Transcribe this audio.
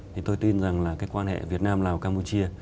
thì tôi tin rằng là cái quan hệ việt nam lào campuchia